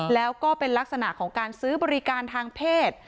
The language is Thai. แล้วก็เป็นลักษณะของการซื้อบริการทางเพศ